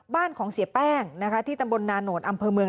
บ้านของเสียแป้งนะคะที่ตำบลนานโหดอำเภอเมือง